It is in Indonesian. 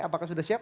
apakah sudah siap